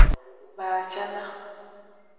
Baacana.